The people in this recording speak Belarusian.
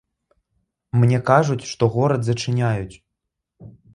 Мне кажуць, што горад зачыняюць.